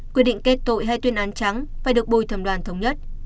quyết định kết tội hay tuyên án trắng phải được bồi thẩm đoàn thống nhất